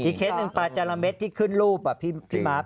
อีกเคสนึงปลาจาระเม็ดที่ขึ้นรูปอ่ะพี่มาพ